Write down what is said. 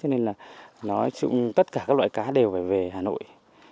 nên là nói chung tất cả các loại cá đều phải về hà nội